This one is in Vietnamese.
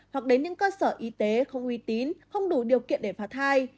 hoặc đến những cơ sở y tế không uy tín không đủ điều kiện để phạt thai